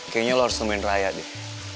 kayaknya lo harus semen raya deh